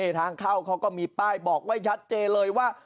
ทางเข้าก็มีป้ายเรียกชัดเจเลยว่า